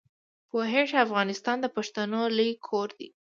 پوهېږې افغانستان د پښتنو لوی کور دی.